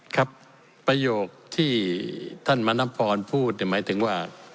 ครับประโยคที่ท่านมณพรพูดหมายถึงว่า